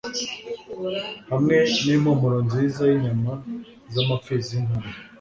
hamwe n’impumuro nziza y’inyama z’amapfizi y’intama